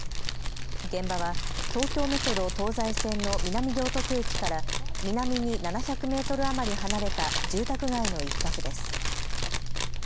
現場は東京メトロ東西線の南行徳駅から南に７００メートル余り離れた住宅街の一角です。